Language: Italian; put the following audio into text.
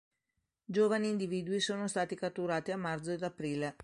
Giovani individui sono stati catturati a marzo ed aprile.